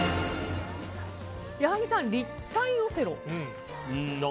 矢作さん、立体オセロ。